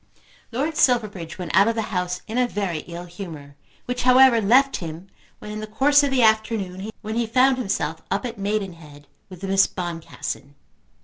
Lord Silverbridge went out of the house in a very ill humour, which however left him when in the course of the afternoon he found himself up at Maidenhead with Miss Boncassen.